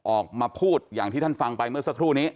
ออกมาพูดอย่างที่ท่านฟังไปเมื่อสักครู่นี้